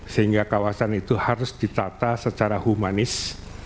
sehingga kawasan itu harus ditata secara humanis